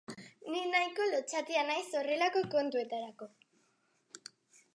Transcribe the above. Ni nahiko lotsatia naiz horrelako kontuetarako.